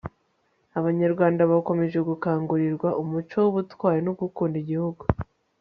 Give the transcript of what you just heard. abanyarwanda bakomeje gukangurirwa umuco w'ubutwari no gukunda igihugu